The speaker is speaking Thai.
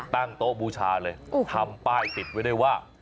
ตั้งโต๊ะบูชาเลยทำป้ายติดไว้ได้ว่า